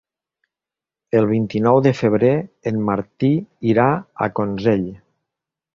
El vint-i-nou de febrer en Martí irà a Consell.